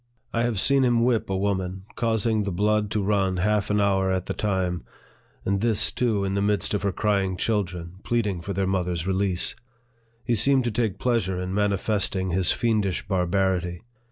I have seen him whip a woman, causing the blood to run half an hour at the time ; and this, too, in the midst of her crying children, pleading for their mother's release. He seemed to take pleasure in manifesting his fiendish barbarity.